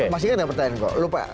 mas ili jawab pertanyaan kok